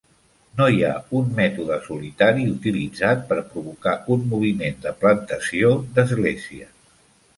No hi ha un mètode solitari utilitzat per provocar un moviment de plantació d'església.